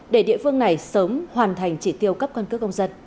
để địa phương này sớm hoàn thành chỉ tiêu cấp căn cước công dân